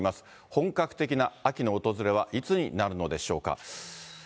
本格的な秋の訪れはいつになるのでしょうか。